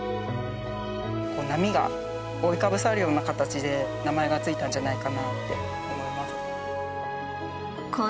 波が覆いかぶさるような形で名前が付いたんじゃないかなって思います。